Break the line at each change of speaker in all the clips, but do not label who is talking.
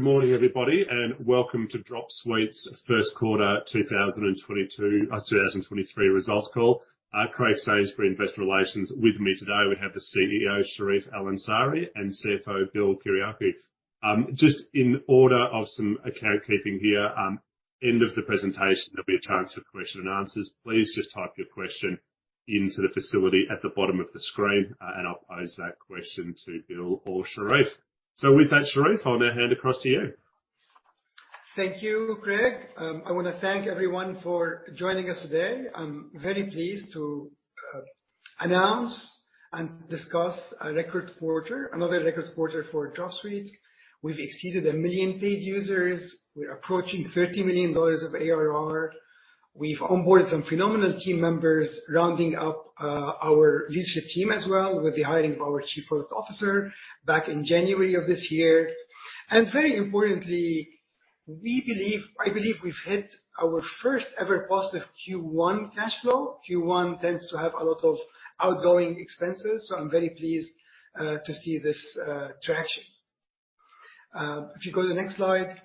Good morning, everybody, welcome to Dropsuite's first quarter 2023 results call. Craig Sainsbury, Investor Relations. With me today we have the CEO, Charif El-Ansari, and CFO, Bill Kyriacou. Just in order of some account keeping here, end of the presentation, there'll be a chance for question and answers. Please just type your question into the facility at the bottom of the screen, and I'll pose that question to Bill or Charif. With that, Charif, I'll now hand across to you.
Thank you, Craig. I wanna thank everyone for joining us today. I'm very pleased to announce and discuss a record quarter, another record quarter for Dropsuite. We've exceeded 1 million paid users. We're approaching $30 million of ARR. We've onboarded some phenomenal team members, rounding up our leadership team as well with the hiring of our Chief Product Officer back in January of this year. Very importantly, I believe we've hit our first ever positive Q1 cash flow. Q1 tends to have a lot of outgoing expenses, I'm very pleased to see this traction. If you go to the next slide.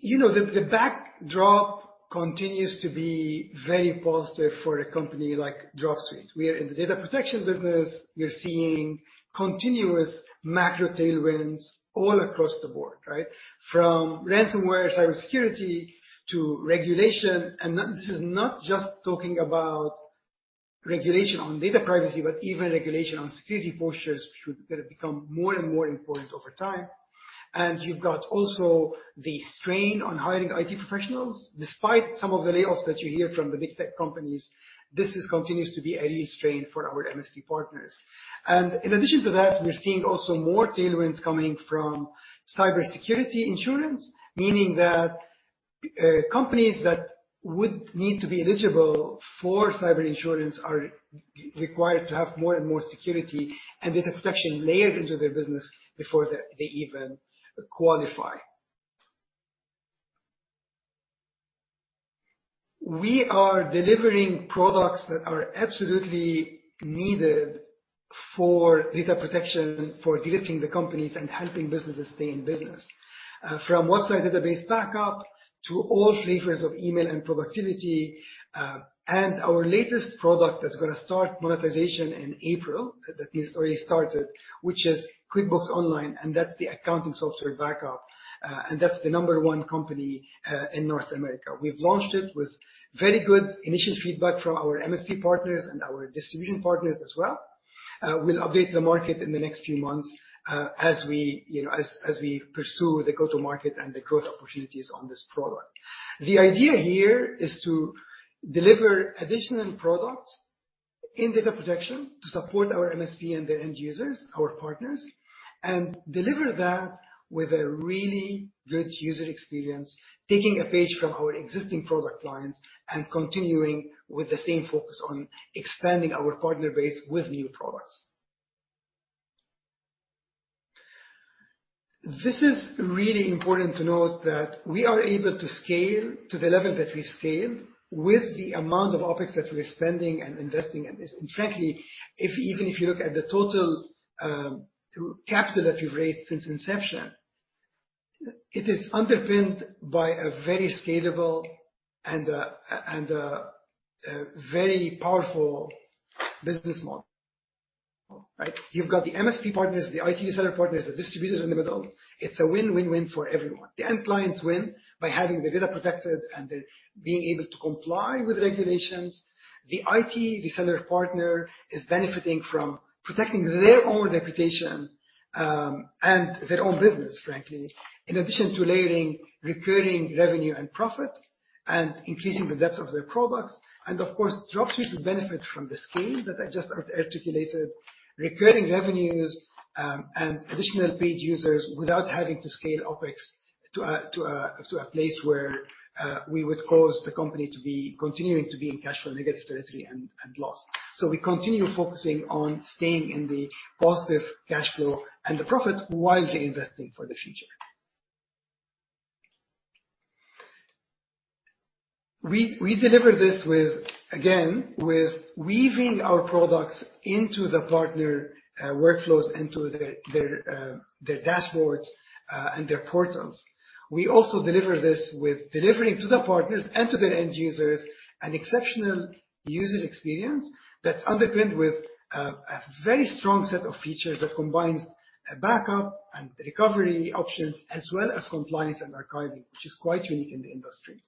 You know, the backdrop continues to be very positive for a company like Dropsuite. We are in the data protection business. We're seeing continuous macro tailwinds all across the board, right? From ransomware, cybersecurity to regulation. This is not just talking about regulation on data privacy, but even regulation on security postures, which is gonna become more and more important over time. You've got also the strain on hiring IT professionals. Despite some of the layoffs that you hear from the big tech companies, this continues to be a real strain for our MSP partners. In addition to that, we're seeing also more tailwinds coming from cybersecurity insurance, meaning that companies that would need to be eligible for cyber insurance are required to have more and more security and data protection layered into their business before they even qualify. We are delivering products that are absolutely needed for data protection, for de-risking the companies and helping businesses stay in business. From one-side database backup to all flavors of email and productivity. Our latest product that's gonna start monetization in April, that is already started, which is QuickBooks Online, and that's the accounting software backup. That's the number one company in North America. We've launched it with very good initial feedback from our MSP partners and our distribution partners as well. We'll update the market in the next few months, as we, you know, as we pursue the go-to-market and the growth opportunities on this product. The idea here is to deliver additional products in data protection to support our MSP and their end users, our partners, and deliver that with a really good user experience, taking a page from our existing product lines and continuing with the same focus on expanding our partner base with new products. This is really important to note that we are able to scale to the level that we've scaled with the amount of OpEx that we're spending and investing in this. Frankly, even if you look at the total capital that we've raised since inception, it is underpinned by a very scalable and a very powerful business model. Right? You've got the MSP partners, the IT reseller partners, the distributors in the middle. It's a win-win-win for everyone. The end clients win by having their data protected and the being able to comply with regulations. The IT reseller partner is benefiting from protecting their own reputation, and their own business, frankly, in addition to layering recurring revenue and profit and increasing the depth of their products. Of course, Dropsuite will benefit from the scale that I just articulated, recurring revenues, and additional paid users without having to scale OpEx to a place where we would cause the company to be continuing to be in cash flow negative territory and loss. We continue focusing on staying in the positive cash flow and the profit while investing for the future. We deliver this with, again, with weaving our products into the partner workflows, into their dashboards, and their portals. We also deliver this with delivering to the partners and to their end users an exceptional user experience that's underpinned with a very strong set of features that combines a backup and recovery option as well as compliance and archiving, which is quite unique in the industry.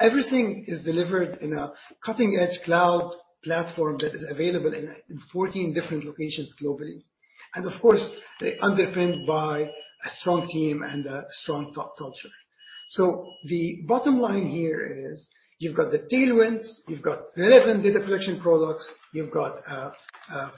Everything is delivered in a cutting-edge cloud platform that is available in 14 different locations globally. Of course, they're underpinned by a strong team and a strong top culture. The bottom line here is you've got the tailwinds, you've got relevant data collection products, you've got a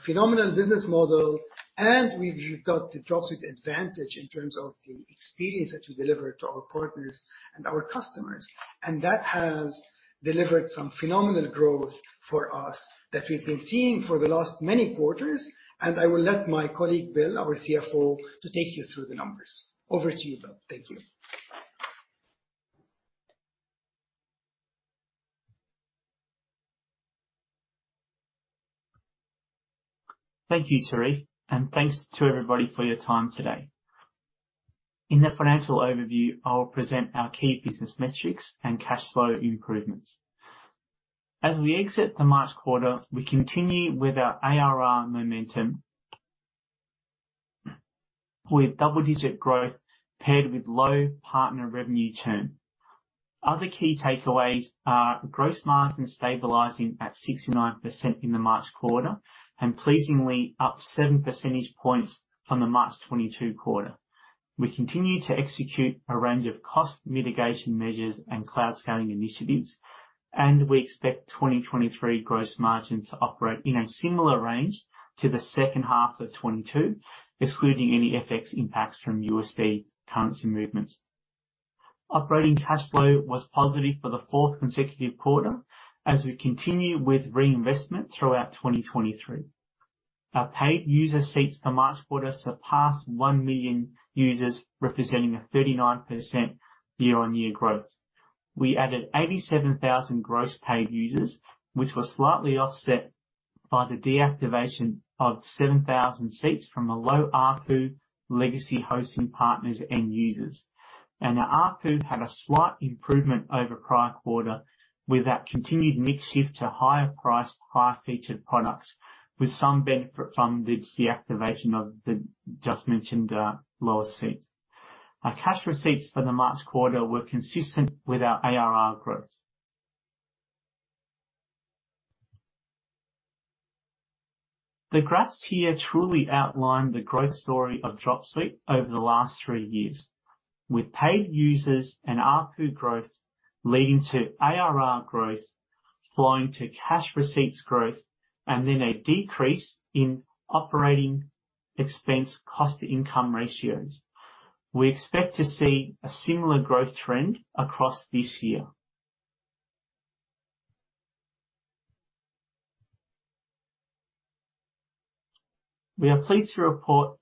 phenomenal business model, and we've got the Dropsuite advantage in terms of the experience that we deliver to our partners and our customers. That has delivered some phenomenal growth for us that we've been seeing for the last many quarters. I will let my colleague, Bill, our CFO, to take you through the numbers. Over to you, Bill. Thank you.
Thank you, Charif, and thanks to everybody for your time today. In the financial overview, I will present our key business metrics and cash flow improvements. As we exit the March quarter, we continue with our ARR momentum with double-digit growth paired with low partner revenue churn. Other key takeaways are gross margin stabilizing at 69% in the March quarter and pleasingly up seven percentage points from the March 2022 quarter. We continue to execute a range of cost mitigation measures and cloud scaling initiatives. We expect 2023 gross margin to operate in a similar range to the second half of 2022, excluding any FX impacts from USD currency movements. Operating cash flow was positive for the fourth consecutive quarter as we continue with reinvestment throughout 2023. Our paid user seats for March quarter surpassed 1 million users, representing a 39% year-on-year growth. We added 87,000 gross paid users, which was slightly offset by the deactivation of 7,000 seats from a low ARPU legacy hosting partners end users. Our ARPU had a slight improvement over prior quarter with our continued mix shift to higher priced, higher featured products with some benefit from the deactivation of the just mentioned lower seats. Our cash receipts for the March quarter were consistent with our ARR growth. The graphs here truly outline the growth story of Dropsuite over the last three years, with paid users and ARPU growth leading to ARR growth, flowing to cash receipts growth, and then a decrease in operating expense cost to income ratios. We expect to see a similar growth trend across this year. We are pleased to report...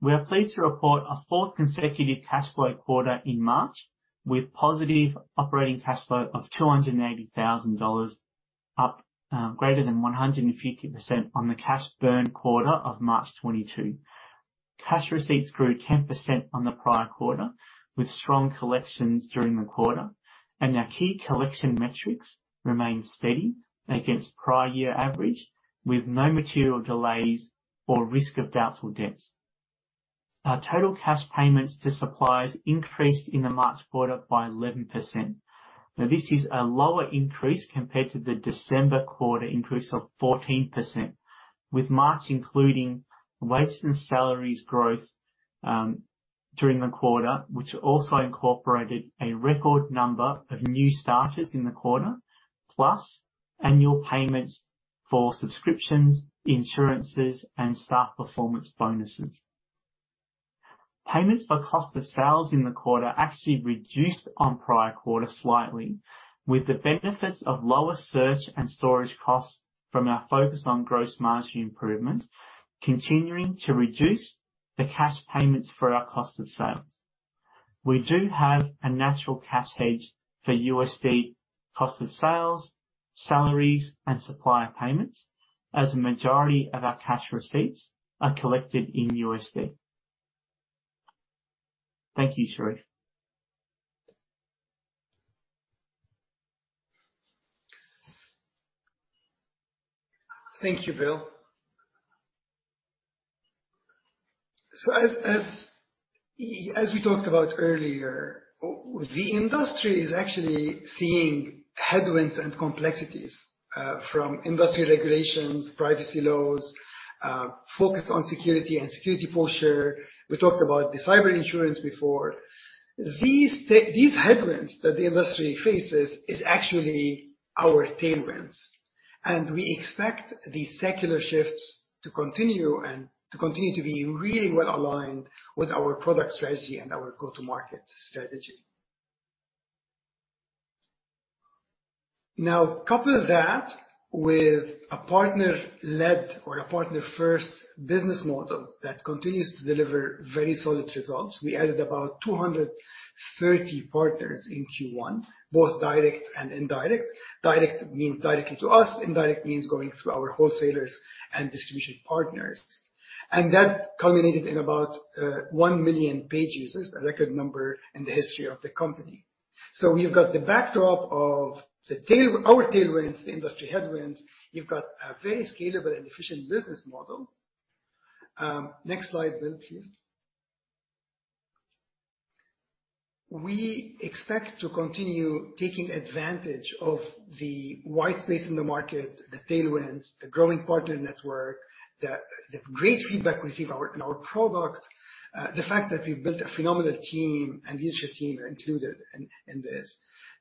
We are pleased to report a fourth consecutive cash flow quarter in March with positive operating cash flow of $280,000 up, greater than 150% on the cash burn quarter of March 2022. Cash receipts grew 10% on the prior quarter with strong collections during the quarter. Our key collection metrics remain steady against prior year average, with no material delays or risk of doubtful debts. Our total cash payments to suppliers increased in the March quarter by 11%. This is a lower increase compared to the December quarter increase of 14%, with March including rates and salaries growth, during the quarter, which also incorporated a record number of new starters in the quarter, plus annual payments for subscriptions, insurances, and staff performance bonuses. Payments for cost of sales in the quarter actually reduced on prior quarter slightly, with the benefits of lower search and storage costs from our focus on gross margin improvements continuing to reduce the cash payments for our cost of sales. We do have a natural cash hedge for USD cost of sales, salaries, and supplier payments, as the majority of our cash receipts are collected in USD. Thank you, Charif.
Thank you, Bill. As we talked about earlier, the industry is actually seeing headwinds and complexities from industry regulations, privacy laws, focus on security and security posture. We talked about the cyber insurance before. These headwinds that the industry faces is actually our tailwinds, we expect these secular shifts to continue and to continue to be really well aligned with our product strategy and our go-to-market strategy. Couple that with a partner-led or a partner-first business model that continues to deliver very solid results. We added about 230 partners in Q1, both direct and indirect. Direct means directly to us. Indirect means going through our wholesalers and distribution partners. That culminated in about 1 million paid users, a record number in the history of the company. We've got the backdrop of the tail... our tailwinds, the industry headwinds. You've got a very scalable and efficient business model. Next slide, Bill, please. We expect to continue taking advantage of the wide space in the market, the tailwinds, the growing partner network, the great feedback we receive in our product, the fact that we've built a phenomenal team, and leadership team are included in this.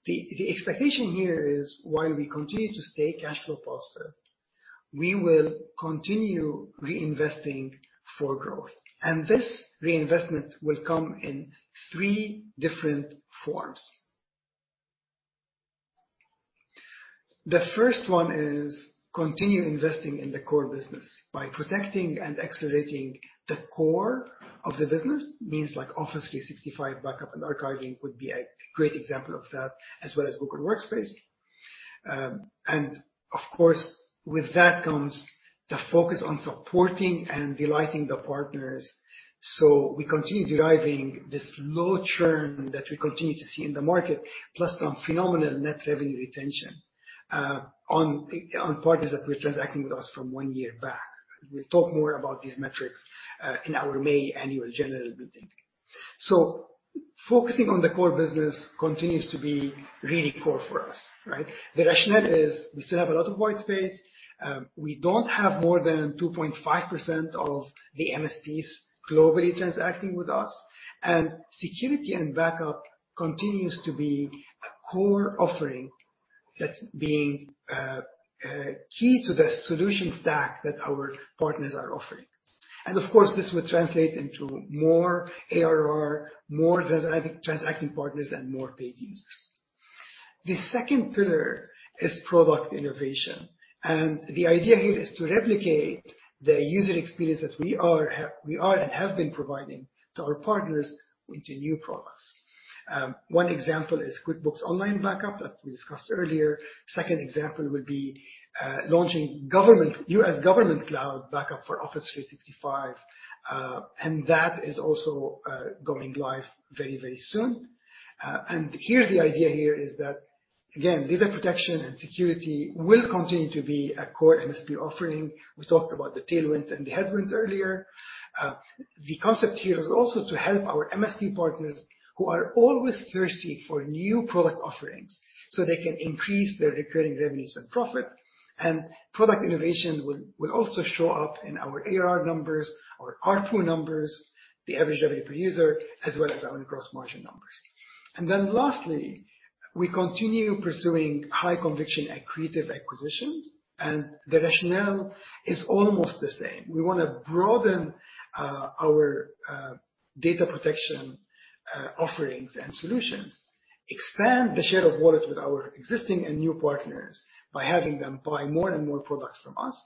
The expectation here is while we continue to stay cash flow positive, we will continue reinvesting for growth. This reinvestment will come in three different forms. The first one is continue investing in the core business by protecting and accelerating the core of the business. Means like Microsoft 365 backup and archiving would be a great example of that, as well as Google Workspace. Of course, with that comes the focus on supporting and delighting the partners. We continue deriving this low churn that we continue to see in the market, plus some phenomenal net revenue retention on partners that were transacting with us from one year back. We'll talk more about these metrics in our May annual general meeting. Focusing on the core business continues to be really core for us, right? The rationale is we still have a lot of white space. We don't have more than 2.5% of the MSPs globally transacting with us. Security and backup continues to be a core offering that's being key to the solution stack that our partners are offering. Of course, this will translate into more ARR, more transacting partners, and more paid users. The second pillar is product innovation, and the idea here is to replicate the user experience that we are and have been providing to our partners with the new products. One example is QuickBooks Online Backup that we discussed earlier. Second example would be launching US government cloud backup for Microsoft 365. That is also going live very, very soon. Here, the idea here is that again, data protection and security will continue to be a core MSP offering. We talked about the tailwinds and the headwinds earlier. The concept here is also to help our MSP partners who are always thirsty for new product offerings so they can increase their recurring revenues and profit. Product innovation will also show up in our ARR numbers, our ARPU numbers, the average revenue per user, as well as our gross margin numbers. Lastly, we continue pursuing high conviction acquisitions. The rationale is almost the same. We wanna broaden our data protection offerings and solutions, expand the share of wallet with our existing and new partners by having them buy more and more products from us.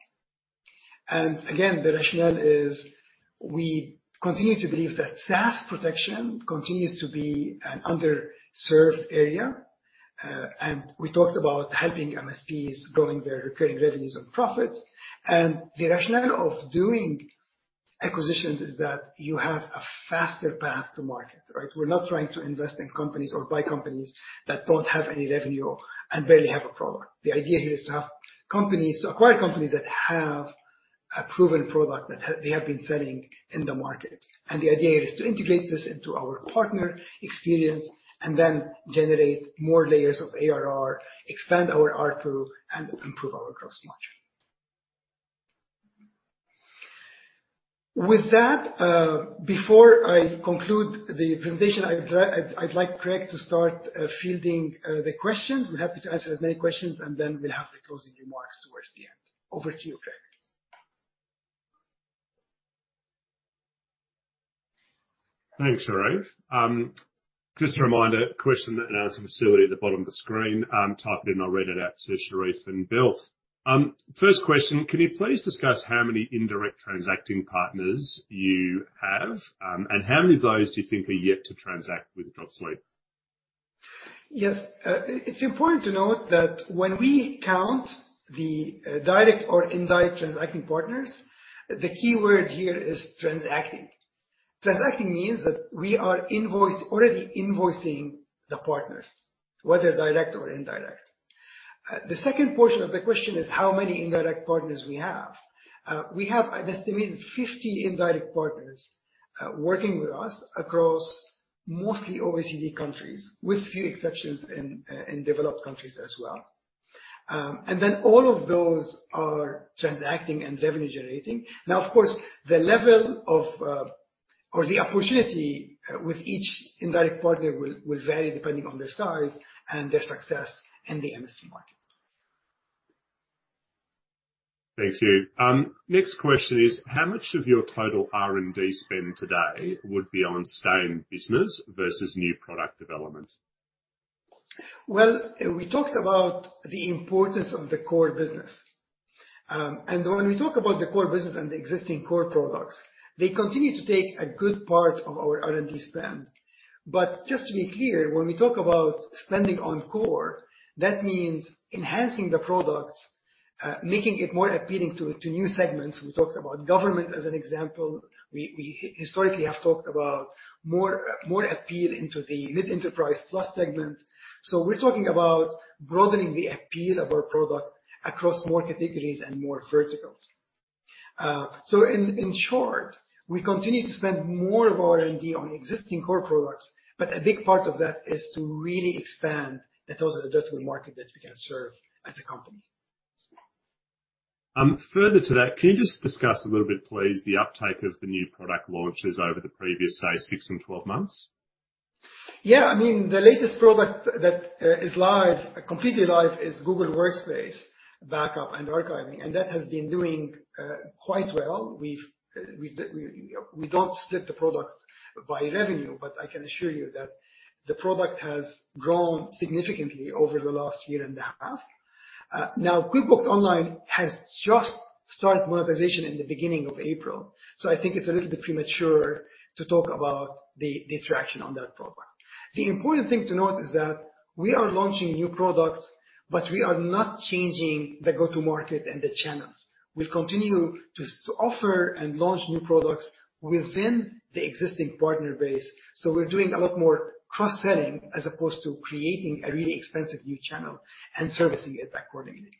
Again, the rationale is we continue to believe that SaaS protection continues to be an underserved area. We talked about helping MSPs growing their recurring revenues and profits. The rationale of doing acquisitions is that you have a faster path to market, right? We're not trying to invest in companies or buy companies that don't have any revenue and barely have a product. The idea here is to acquire companies that have a proven product that they have been selling in the market. The idea is to integrate this into our partner experience and then generate more layers of ARR, expand our ARPU, and improve our gross margin. With that, before I conclude the presentation, I'd like Craig to start fielding the questions. We're happy to answer as many questions, and then we'll have the closing remarks towards the end. Over to you, Craig.
Thanks, Charif. Just a reminder, question and answer facility at the bottom of the screen. Type it in or read it out to Charif and Bill. First question, can you please discuss how many indirect transacting partners you have, and how many of those do you think are yet to transact with Dropsuite?
Yes. It's important to note that when we count the direct or indirect transacting partners, the key word here is transacting. Transacting means that we are already invoicing the partners, whether direct or indirect. The second portion of the question is how many indirect partners we have. We have an estimated 50 indirect partners working with us across mostly OECD countries, with few exceptions in developed countries as well. All of those are transacting and revenue generating. Of course, the level of or the opportunity with each indirect partner will vary depending on their size and their success in the MSP market.
Thank you. Next question is how much of your total R&D spend today would be on stay-in-business versus new product development?
Well, we talked about the importance of the core business. When we talk about the core business and the existing core products, they continue to take a good part of our R&D spend. Just to be clear, when we talk about spending on core, that means enhancing the product, making it more appealing to new segments. We talked about government as an example. We historically have talked about more appeal into the mid-enterprise plus segment. We're talking about broadening the appeal of our product across more categories and more verticals. In short, we continue to spend more of our R&D on existing core products, but a big part of that is to really expand the total addressable market that we can serve as a company.
further to that, can you just discuss a little bit, please, the uptake of the new product launches over the previous, say, six and 12 months?
Yeah. I mean, the latest product that is live, completely live is Google Workspace Backup and archiving. That has been doing quite well. We've, we don't split the product by revenue. I can assure you that the product has grown significantly over the last year and a half. Now, QuickBooks Online has just started monetization in the beginning of April. I think it's a little bit premature to talk about the traction on that product. The important thing to note is that we are launching new products. We are not changing the go-to market and the channels. We'll continue to offer and launch new products within the existing partner base. We're doing a lot more cross-selling as opposed to creating a really expensive new channel and servicing it accordingly.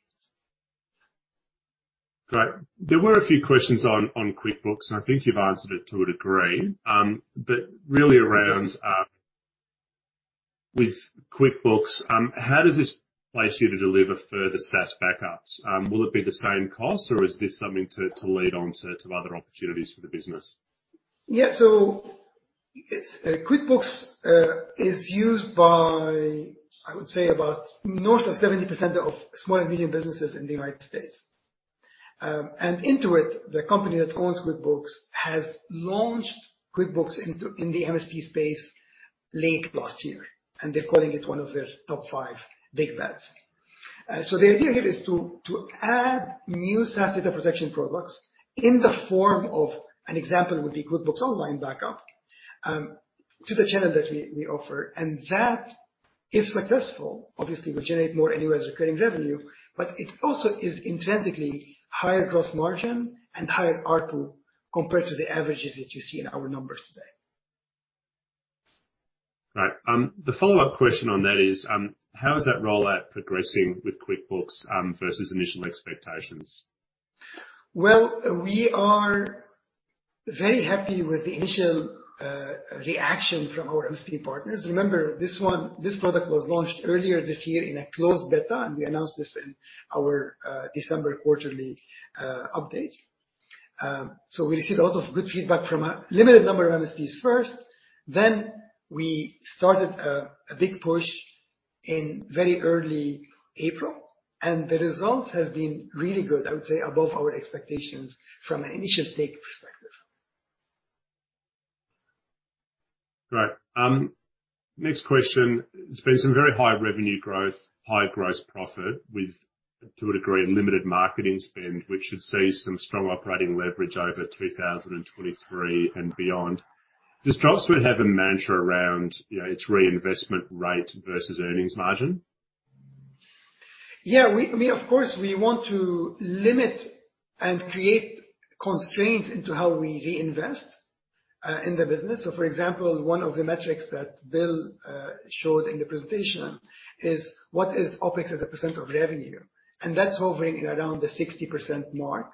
Great. There were a few questions on QuickBooks, and I think you've answered it to a degree. Really around with QuickBooks, how does this place you to deliver further SaaS backups? Will it be the same cost or is this something to lead on to other opportunities for the business?
Yeah. It's QuickBooks is used by, I would say, about north of 70% of small and medium businesses in the United States. Intuit, the company that owns QuickBooks, has launched QuickBooks into, in the MSP space late last year, and they're calling it one of their top five big bets. The idea here is to add new SaaS data protection products in the form of, an example would be QuickBooks Online Backup, to the channel that we offer. That, if successful, obviously will generate more annual recurring revenue, but it also is intrinsically higher gross margin and higher ARPU compared to the averages that you see in our numbers today.
Right. The follow-up question on that is, how is that rollout progressing with QuickBooks versus initial expectations?
Well, we are very happy with the initial reaction from our MSP partners. Remember, this product was launched earlier this year in a closed beta. We announced this in our December quarterly update. We received a lot of good feedback from a limited number of MSPs first. We started a big push in very early April. The results have been really good, I would say above our expectations from an initial take perspective.
Great. Next question. There's been some very high revenue growth, high gross profit with, to a degree, a limited marketing spend, which should see some strong operating leverage over 2023 and beyond. Does Dropsuite have a mantra around, you know, its reinvestment rate versus earnings margin?
Yeah. We, I mean, of course, we want to limit and create constraints into how we reinvest in the business. For example, one of the metrics that Bill showed in the presentation is what is OpEx as a percent of revenue, and that's hovering around the 60% mark,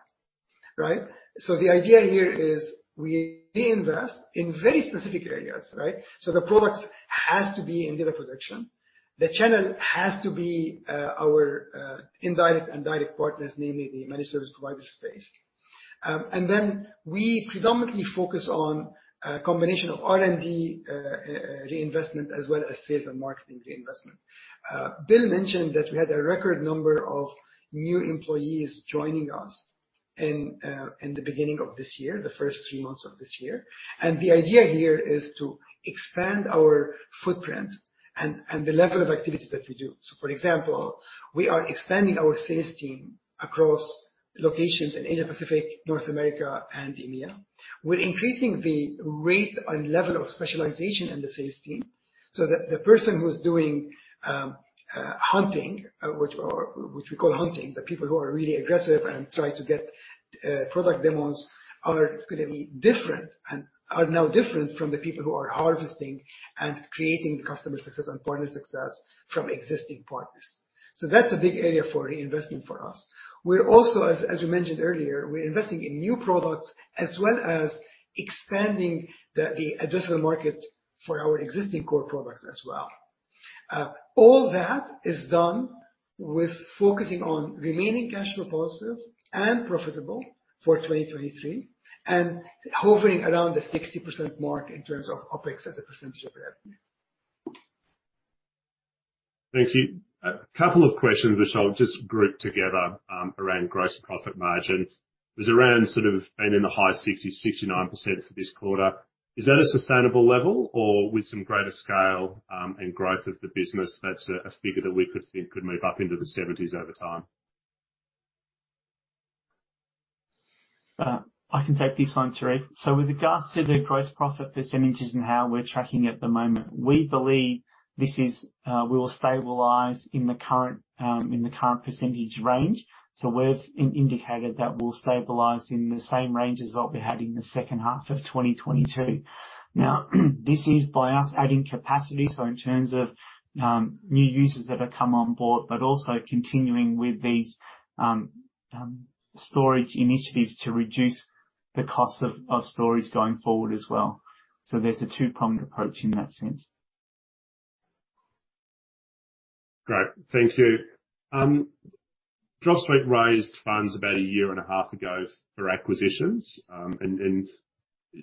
right? The idea here is we reinvest in very specific areas, right? The products has to be in data protection. The channel has to be our indirect and direct partners, namely the managed service provider space. Then we predominantly focus on a combination of R&D reinvestment, as well as sales and marketing reinvestment. Bill mentioned that we had a record number of new employees joining us in the beginning of this year, the first three months of this year. The idea here is to expand our footprint and the level of activities that we do. For example, we are expanding our sales team across locations in Asia-Pacific, North America, and EMEA. We're increasing the rate and level of specialization in the sales team so that the person who's doing hunting, which we call hunting, the people who are really aggressive and try to get product demos are gonna be different and are now different from the people who are harvesting and creating customer success and partner success from existing partners. That's a big area for reinvestment for us. We're also, as we mentioned earlier, we're investing in new products as well as expanding the addressable market for our existing core products as well. All that is done with focusing on remaining cash flow positive and profitable for 2023 and hovering around the 60% mark in terms of OpEx as a percentage of revenue.
Thank you. A couple of questions which I'll just group together, around gross profit margin. It was around sort of been in the high 60%, 69% for this quarter. Is that a sustainable level or with some greater scale and growth of the business, that's a figure that we could think could move up into the 70s over time?
I can take this one, Charif. With regards to the gross profit % and how we're tracking at the moment, we believe this is, we will stabilize in the current percentage range. We've indicated that we'll stabilize in the same range as what we had in the second half of 2022. This is by us adding capacity, so in terms of new users that have come on board, but also continuing with these storage initiatives to reduce the cost of storage going forward as well. There's a two-pronged approach in that sense.
Great. Thank you. Dropsuite raised funds about a year and a half ago for acquisitions.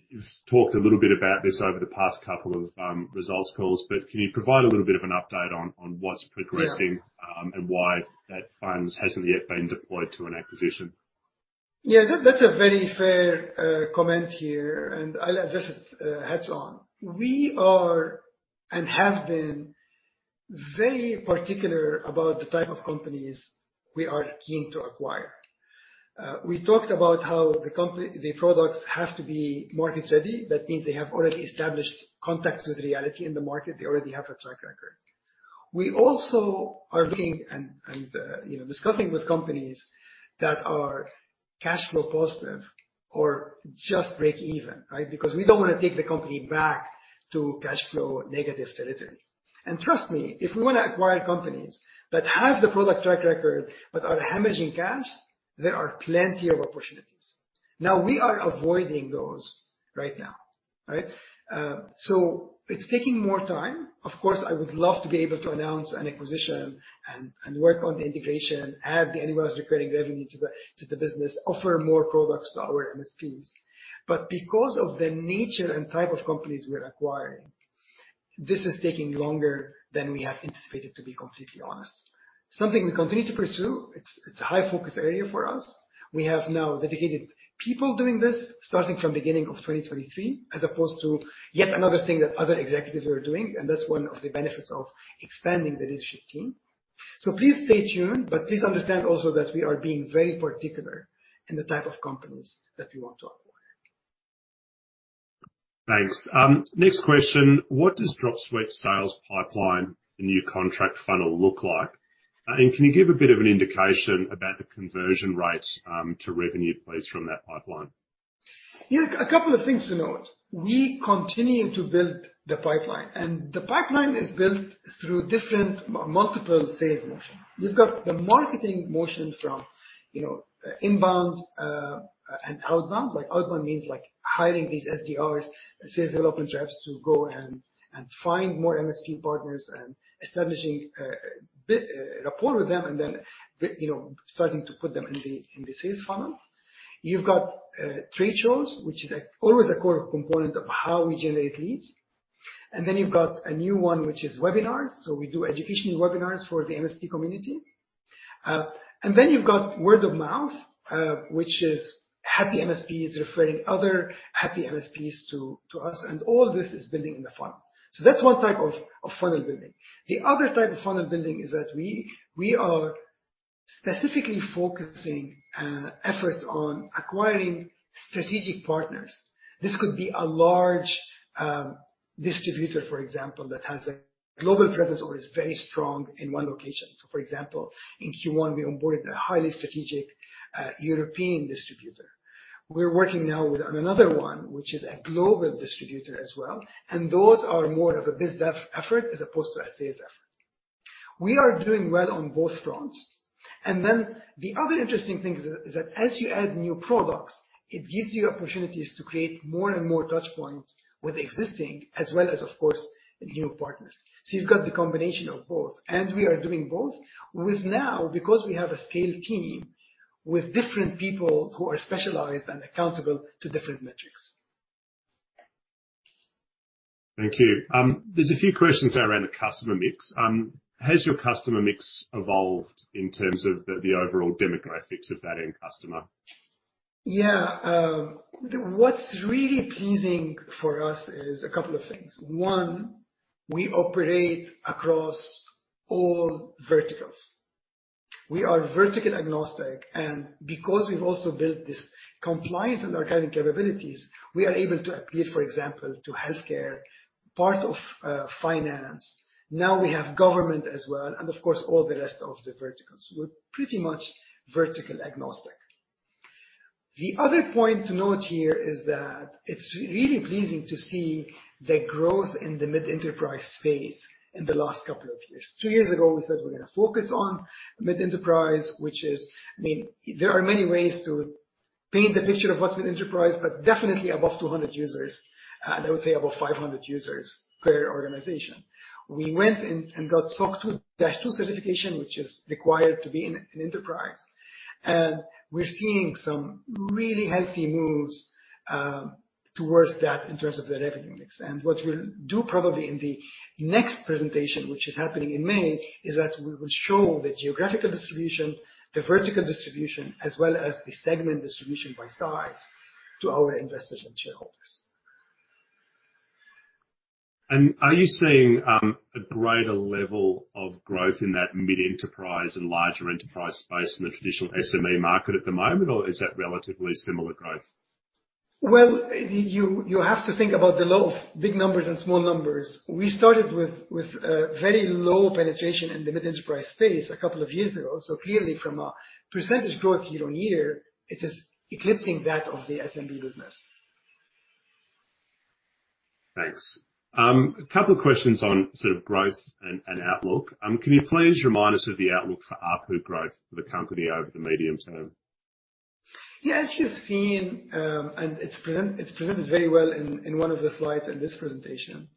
You've talked a little bit about this over the past couple of results calls, but can you provide a little bit of an update on what's progressing?
Yeah.
Why that funds hasn't yet been deployed to an acquisition?
Yeah, that's a very fair comment here, and I'll address it heads on. We are, and have been very particular about the type of companies we are keen to acquire. We talked about how the products have to be market ready. That means they have already established contacts with reality in the market. They already have a track record. We also are looking and, you know, discussing with companies that are cash flow positive or just break even, right? Because we don't wanna take the company back to cash flow negative territory. Trust me, if we wanna acquire companies that have the product track record but are hemorrhaging cash, there are plenty of opportunities. We are avoiding those right now. All right? It's taking more time. Of course, I would love to be able to announce an acquisition and work on the integration, add the annual recurring revenue to the business, offer more products to our MSPs. Because of the nature and type of companies we're acquiring, this is taking longer than we have anticipated, to be completely honest. Something we continue to pursue. It's a high focus area for us. We have now dedicated people doing this, starting from beginning of 2023, as opposed to yet another thing that other executives are doing, and that's one of the benefits of expanding the leadership team. Please stay tuned, but please understand also that we are being very particular in the type of companies that we want to acquire.
Thanks. Next question. What does Dropsuite sales pipeline and new contract funnel look like? Can you give a bit of an indication about the conversion rates to revenue please from that pipeline?
Yeah. A couple of things to note. We continue to build the pipeline, and the pipeline is built through different multiple sales motion. You've got the marketing motion from, you know, inbound and outbound. Like, outbound means, like, hiring these SDRs, sales development reps, to go and find more MSP partners and establishing a rapport with them and then, you know, starting to put them in the sales funnel. You've got trade shows, which is, like, always a core component of how we generate leads. You've got a new one, which is webinars. We do educational webinars for the MSP community. You've got word of mouth, which is happy MSPs referring other happy MSPs to us, and all this is building in the funnel. That's one type of funnel building. The other type of funnel building is that we are specifically focusing efforts on acquiring strategic partners. This could be a large distributor, for example, that has a global presence or is very strong in one location. For example, in Q1 we onboarded a highly strategic European distributor. We're working now with another one, which is a global distributor as well, and those are more of a biz dev effort as opposed to a sales effort. We are doing well on both fronts. The other interesting thing is that as you add new products, it gives you opportunities to create more and more touchpoints with existing as well as, of course, new partners. You've got the combination of both, and we are doing both with now, because we have a scaled team, with different people who are specialized and accountable to different metrics.
Thank you. There's a few questions around the customer mix. Has your customer mix evolved in terms of the overall demographics of that end customer?
Yeah. What's really pleasing for us is a couple of things. One, we operate across all verticals. We are vertical agnostic, and because we've also built this compliance and archiving capabilities, we are able to appeal, for example, to healthcare, part of finance. Now we have government as well, and of course, all the rest of the verticals. We're pretty much vertical agnostic. The other point to note here is that it's really pleasing to see the growth in the mid-enterprise space in the last couple of years. Two years ago, we said we're gonna focus on mid-enterprise, which is... I mean, there are many ways to paint the picture of what's mid-enterprise, but definitely above 200 users, and I would say above 500 users per organization. We went and got SOC 2 Type 2 certification, which is required to be in an enterprise. We're seeing some really healthy moves, towards that in terms of the revenue mix. What we'll do probably in the next presentation, which is happening in May, is that we will show the geographical distribution, the vertical distribution, as well as the segment distribution by size to our investors and shareholders.
Are you seeing, a greater level of growth in that mid-enterprise and larger enterprise space than the traditional SME market at the moment? Or is that relatively similar growth?
Well, you have to think about the law of big numbers and small numbers. We started with very low penetration in the mid-enterprise space two years ago. Clearly from a percentage growth year-on-year, it is eclipsing that of the SMB business.
Thanks. A couple of questions on sort of growth and outlook. Can you please remind us of the outlook for ARPU growth for the company over the medium term?
As you've seen, it's presented very well in one of the slides in this presentation.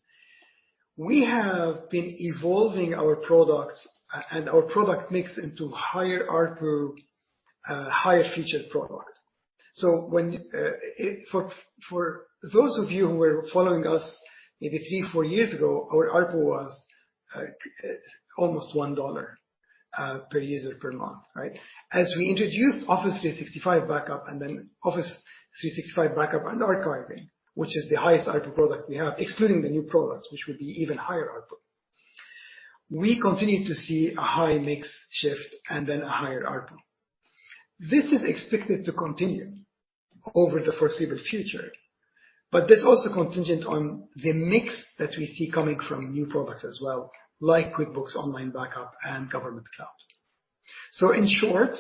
We have been evolving our products and our product mix into higher ARPU, higher featured product. When for those of you who were following us maybe three, four years ago, our ARPU was almost $1 per user per month, right? As we introduced Office 365 Backup and then Office 365 Backup and Archiving, which is the highest ARPU product we have, excluding the new products, which would be even higher ARPU. We continue to see a high mix shift and then a higher ARPU. This is expected to continue over the foreseeable future, but that's also contingent on the mix that we see coming from new products as well, like QuickBooks Online Backup and Government Cloud. In short,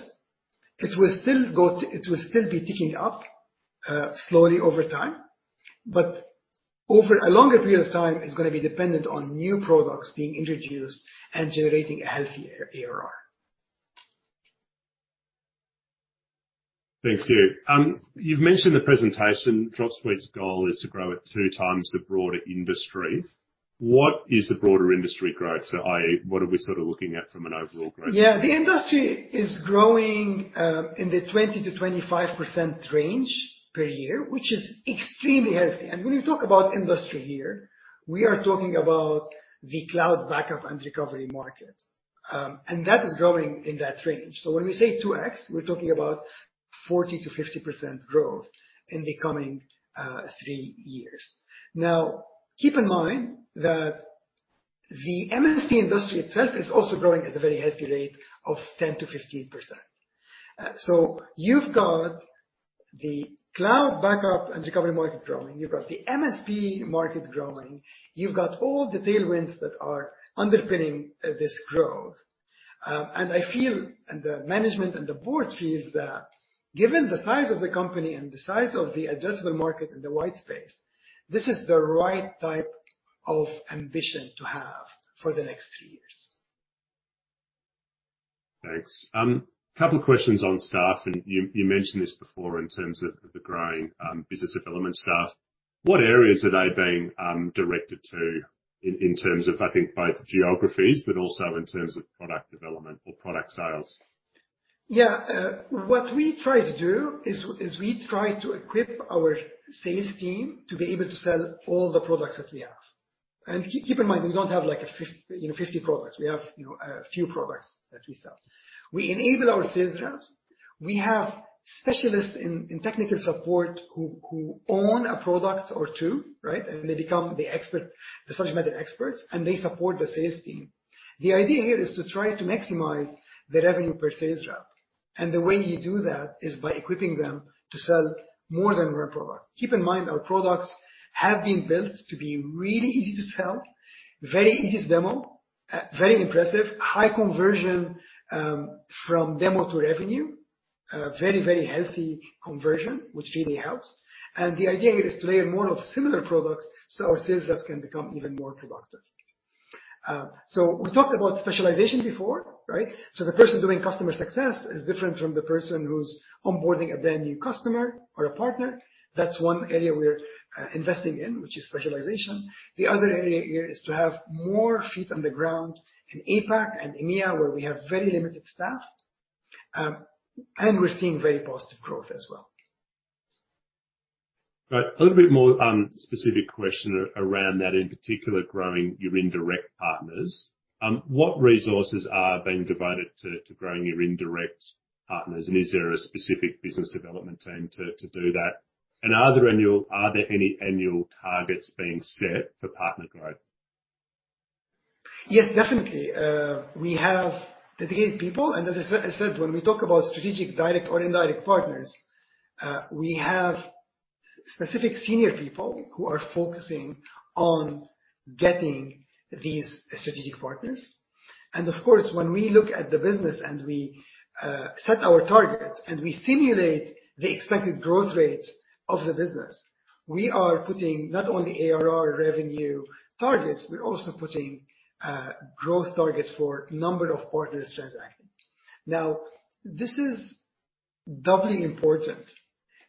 it will still be ticking up, slowly over time, but over a longer period of time, it's gonna be dependent on new products being introduced and generating a healthy ARR.
Thank you. you've mentioned the presentation, Dropsuite's goal is to grow at 2x the broader industry. What is the broader industry growth? i.e., what are we sort of looking at from an overall growth?
Yeah. The industry is growing in the 20%-25% range per year, which is extremely healthy. When we talk about industry here, we are talking about the cloud backup and recovery market. That is growing in that range. When we say 2x, we're talking about 40%-50% growth in the coming three years. Now, keep in mind that the MSP industry itself is also growing at a very healthy rate of 10%-15%. You've got the cloud backup and recovery market growing, you've got the MSP market growing, you've got all the tailwinds that are underpinning this growth. I feel, and the management and the board feels that given the size of the company and the size of the addressable market in the white space, this is the right type of ambition to have for the next three years.
Thanks. Couple questions on staff, and you mentioned this before in terms of the growing, business development staff. What areas are they being directed to in terms of, I think, both geographies, but also in terms of product development or product sales?
Yeah. What we try to do is we try to equip our sales team to be able to sell all the products that we have. Keep in mind, we don't have, like, a you know, 50 products. We have, you know, a few products that we sell. We enable our sales reps. We have specialists in technical support who own a product or two, right? They become the expert, the subject matter experts, and they support the sales team. The idea here is to try to maximize the revenue per sales rep. The way you do that is by equipping them to sell more than one product. Keep in mind our products have been built to be really easy to sell, very easy to demo, very impressive, high conversion from demo to revenue. Very, very healthy conversion, which really helps. The idea here is to layer more of similar products so our sales reps can become even more productive. We talked about specialization before, right? So the person doing customer success is different from the person who's onboarding a brand new customer or a partner. That's one area we're investing in, which is specialization. The other area here is to have more feet on the ground in APAC and EMEA, where we have very limited staff, and we're seeing very positive growth as well.
Right. A little bit more, specific question around that, in particular, growing your indirect partners. What resources are being devoted to growing your indirect partners? Is there a specific business development team to do that? Are there any annual targets being set for partner growth?
Yes, definitely. We have dedicated people. As I said, when we talk about strategic direct or indirect partners, we have specific senior people who are focusing on getting these strategic partners. Of course, when we look at the business and we set our targets and we simulate the expected growth rates of the business, we are putting not only ARR revenue targets, we're also putting growth targets for number of partners transacting. This is doubly important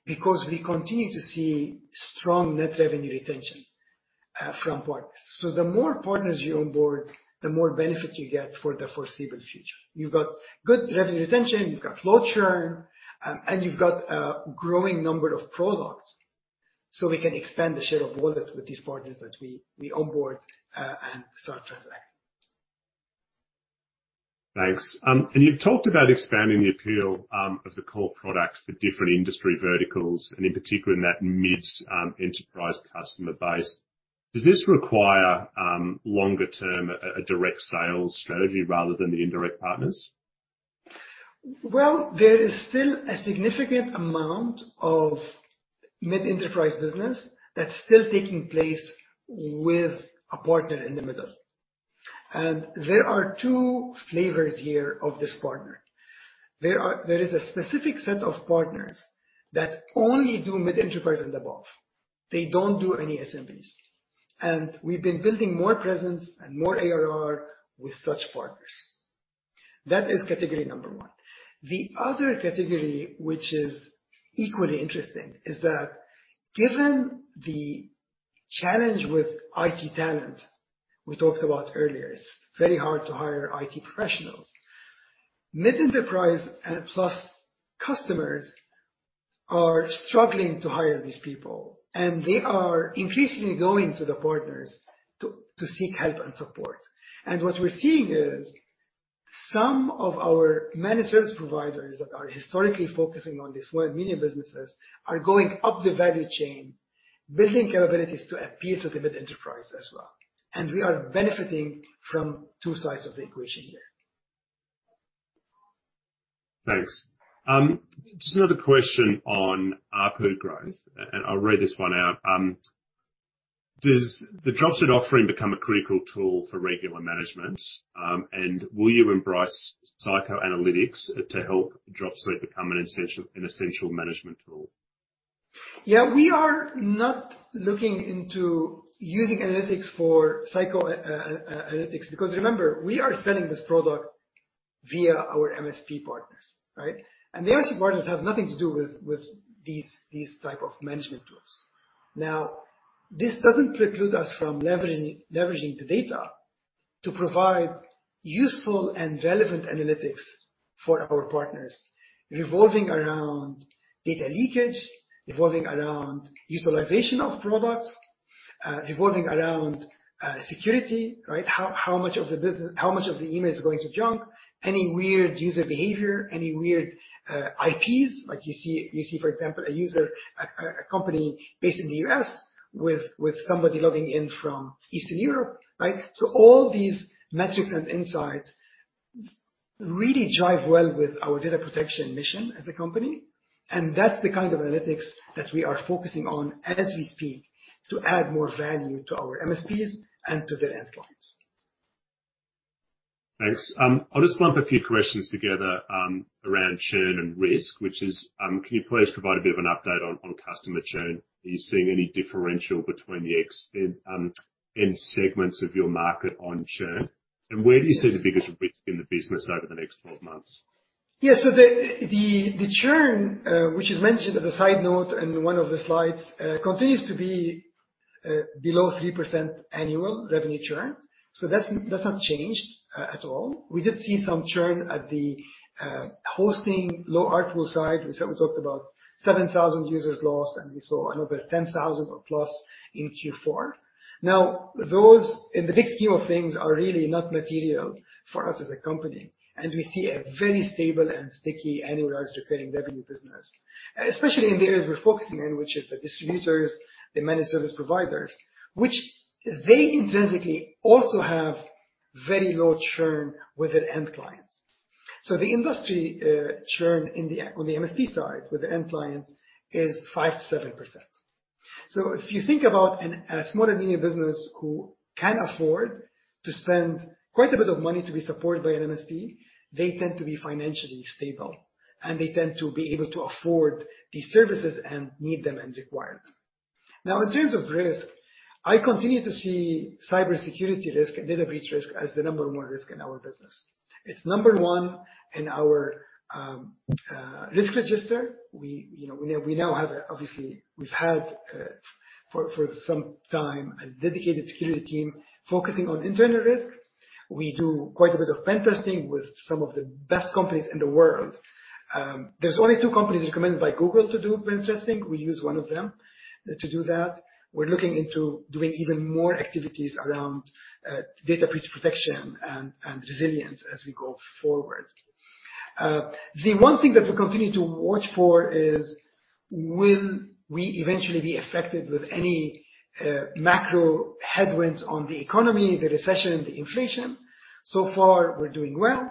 because we continue to see strong net revenue retention from partners. The more partners you onboard, the more benefit you get for the foreseeable future. You've got good revenue retention, you've got low churn, and you've got a growing number of products. We can expand the share of wallet with these partners that we onboard and start transacting.
Thanks. You've talked about expanding the appeal of the core product for different industry verticals, and in particular in that mid enterprise customer base. Does this require longer term a direct sales strategy rather than the indirect partners?
Well, there is still a significant amount of mid-enterprise business that's still taking place with a partner in the middle. There are two flavors here of this partner. There is a specific set of partners that only do mid-enterprise and above. They don't do any SMBs. We've been building more presence and more ARR with such partners. That is category number one. The other category, which is equally interesting, is that given the challenge with IT talent we talked about earlier, it's very hard to hire IT professionals. Mid-enterprise and plus customers are struggling to hire these people, and they are increasingly going to the partners to seek help and support. What we're seeing is some of our managed service providers that are historically focusing on the small and medium businesses are going up the value chain, building capabilities to appeal to the mid-enterprise as well. We are benefiting from two sides of the equation there.
Thanks. just another question on ARPU growth, I'll read this one out. Does the Dropsuite offering become a critical tool for regular management? Will you embrace predictive analytics to help Dropsuite become an essential management tool?
Yeah. We are not looking into using analytics for psycho analytics, because remember, we are selling this product via our MSP partners, right? The MSP partners have nothing to do with these type of management tools. Now, this doesn't preclude us from leveraging the data to provide useful and relevant analytics for our partners, revolving around data leakage, revolving around utilization of products, revolving around security, right? How much of the business... How much of the email is going to junk? Any weird user behavior, any weird IPs. Like you see, for example, a user, a company based in the U.S. with somebody logging in from Eastern Europe, right? All these metrics and insights really jive well with our data protection mission as a company, and that's the kind of analytics that we are focusing on as we speak to add more value to our MSPs and to their end clients.
Thanks. I'll just lump a few questions together around churn and risk, which is, can you please provide a bit of an update on customer churn? Are you seeing any differential between the end segments of your market on churn? Where do you see the biggest risk in the business over the next 12 months?
The, the churn, which is mentioned as a side note in one of the slides, continues to be below 3% annual revenue churn. That's, that's not changed at all. We did see some churn at the hosting low ARPU side. We said we talked about 7,000 users lost, and we saw another 10,000 or plus in Q4. Those in the big scheme of things are really not material for us as a company, and we see a very stable and sticky annual recurring revenue business, especially in the areas we're focusing in, which is the distributors, the managed service providers, which they intrinsically also have very low churn with their end clients. The industry churn on the MSP side with the end clients is 5%-7%. If you think about a small and medium business who can afford to spend quite a bit of money to be supported by an MSP, they tend to be financially stable, and they tend to be able to afford these services and need them and require them. In terms of risk, I continue to see cybersecurity risk and data breach risk as the number one risk in our business. It's number one in our risk register. We, you know, we now have, obviously, we've had for some time a dedicated security team focusing on internal risk. We do quite a bit of pen testing with some of the best companies in the world. There's only two companies recommended by Google to do pen testing. We use one of them to do that. We're looking into doing even more activities around data breach protection and resilience as we go forward. The one thing that we continue to watch for is will we eventually be affected with any macro headwinds on the economy, the recession, the inflation? Far, we're doing well.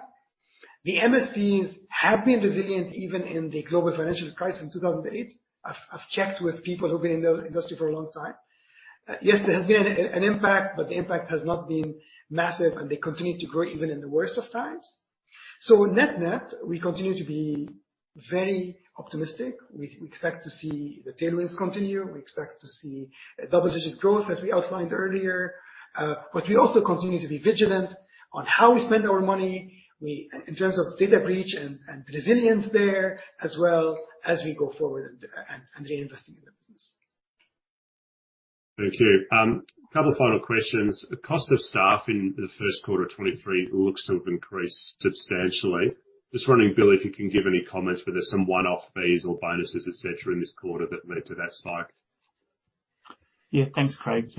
The MSPs have been resilient even in the global financial crisis in 2008. I've checked with people who've been in the industry for a long time. Yes, there has been an impact, but the impact has not been massive, and they continue to grow even in the worst of times. Net-net, we continue to be very optimistic. We expect to see the tailwinds continue. We expect to see double-digit growth as we outlined earlier. We also continue to be vigilant on how we spend our money. In terms of data breach and resilience there as well as we go forward and reinvesting in the business.
Thank you. Couple final questions. The cost of staff in the first quarter of 2023 looks to have increased substantially. Just wondering, Bill, if you can give any comments, whether there's some one-off fees or bonuses, et cetera, in this quarter that led to that spike.
Thanks, Craig.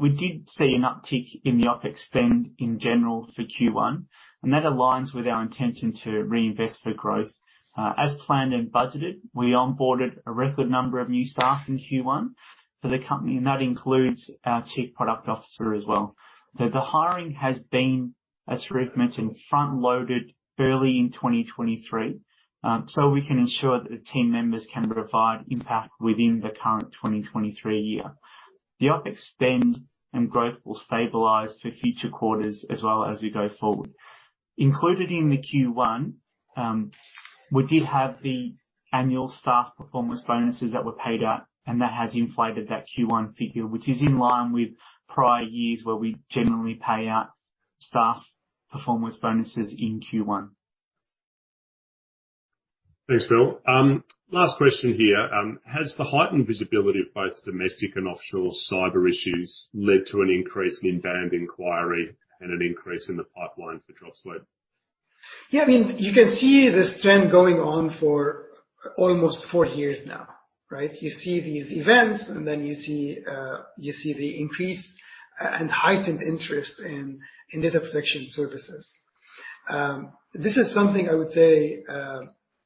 We did see an uptick in the OpEx spend in general for Q1, that aligns with our intention to reinvest for growth. As planned and budgeted, we onboarded a record number of new staff in Q1 for the company, that includes our Chief Product Officer as well. The hiring has been, as Charif mentioned, front-loaded early in 2023, so we can ensure that the team members can provide impact within the current 2023 year. The OpEx spend and growth will stabilize for future quarters as well as we go forward. Included in the Q1, we did have the annual staff performance bonuses that were paid out, that has inflated that Q1 figure, which is in line with prior years where we generally pay out staff performance bonuses in Q1.
Thanks, Bill. Last question here. Has the heightened visibility of both domestic and offshore cyber issues led to an increase in demand inquiry and an increase in the pipeline for Dropsuite?
I mean, you can see this trend going on for almost four years now, right? You see the increase and heightened interest in data protection services. This is something I would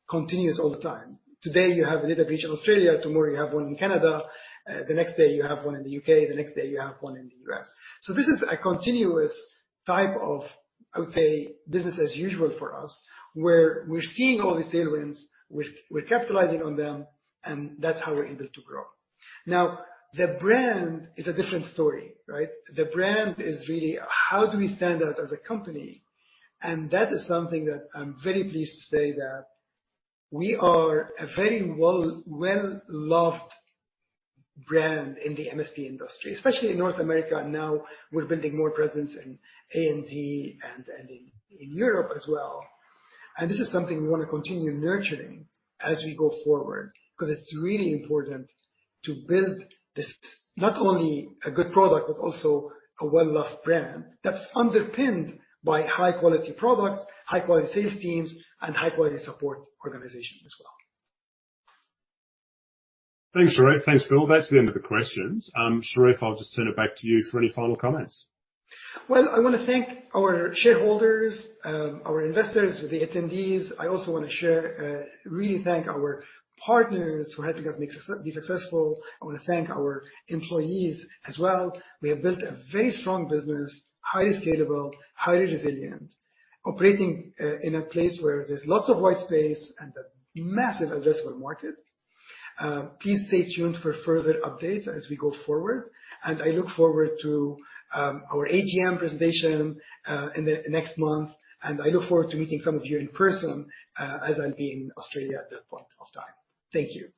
say continues all the time. Today, you have a data breach in Australia. Tomorrow, you have one in Canada. The next day you have one in the U.K., the next day you have one in the U.S. This is a continuous type of, I would say, business as usual for us, where we're seeing all these tailwinds, we're capitalizing on them, and that's how we're able to grow. The brand is a different story, right? The brand is really how do we stand out as a company? That is something that I'm very pleased to say that we are a very well-loved brand in the MSP industry, especially in North America. Now, we're building more presence in APAC and in Europe as well. This is something we wanna continue nurturing as we go forward, 'cause it's really important to build not only a good product, but also a well-loved brand that's underpinned by high-quality products, high-quality sales teams and high-quality support organization as well.
Thanks, Charif. Thanks, Bill. That's the end of the questions. Charif, I'll just turn it back to you for any final comments.
Well, I wanna thank our shareholders, our investors, the attendees. I also wanna really thank our partners who helped us be successful. I wanna thank our employees as well. We have built a very strong business, highly scalable, highly resilient, operating in a place where there's lots of white space and a massive addressable market. Please stay tuned for further updates as we go forward, and I look forward to our AGM presentation in the next month. I look forward to meeting some of you in person, as I'll be in Australia at that point of time. Thank you.